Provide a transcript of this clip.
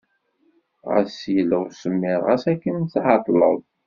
Ɣas yella usemmiḍ, ɣas akken tɛeṭṭleḍ.